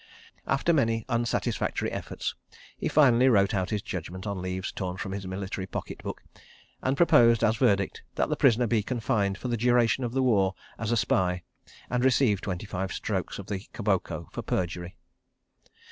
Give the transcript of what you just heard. ... After many unsatisfactory efforts, he finally wrote out his judgment on leaves torn from his military pocket book, and proposed, as verdict, that the prisoner be confined for the duration of the war as a spy, and receive twenty five strokes of the kiboko for perjury.